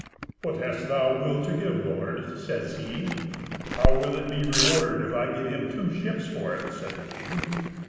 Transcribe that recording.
"What hast thou will to give, lord?" says he. "How will it be rewarded if I give him two ships for it?" said the king.